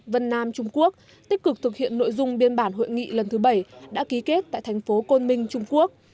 vân nam trung quốc tích cực thực hiện nội dung biên bản hội nghị lần thứ bảy đã ký kết tại thành phố côn minh trung quốc